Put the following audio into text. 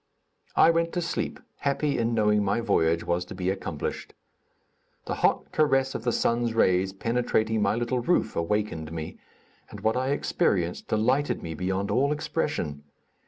I went to sleep, happy in knowing my voyage was to be accomplished. The hot caress of the sun's rays penetrating my little roof awakened me, and what I experienced delighted me beyond all expression.